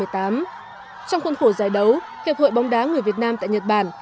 trong khuôn khổ giải đấu hiệp hội bóng đá người việt nam tại nhật bản